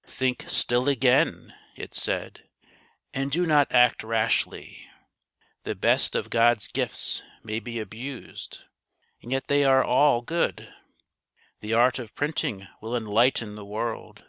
" Think still again," it said, " and do not act rashly. The best of God's gifts may be abused, and yet they are all good. The art of printing will enlighten the world.